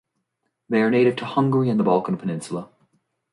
They are native to Hungary and the Balkan Peninsula.